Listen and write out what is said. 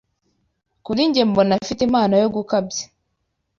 Kuri njye mbona afite impano yo gukabya.